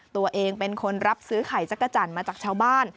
ตัวเองเป็นคนรับซื้อไข่จักรจันทร์มาจากชาวบ้าน